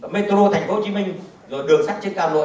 métro thành phố hồ chí minh rồi đường sắt trên cao lộn